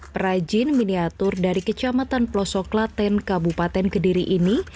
perajin miniatur dari kecamatan pelosok klaten kabupaten kediri ini